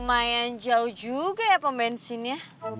lumayan jauh juga ya pembensinnya